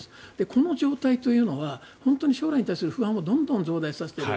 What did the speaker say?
この状態というのは本当に将来に対する不安というのをどんどん増大させている。